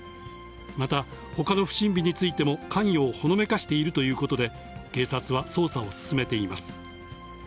また、ほかの不審火についても関与をほのめかしているということで、警察は捜査を進めています。